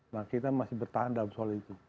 nah kita masih bertahan dalam soal itu